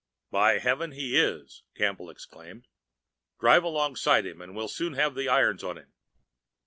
"By heavens, he is!" Campbell explained. "Drive alongside him, and we'll soon have the irons on him."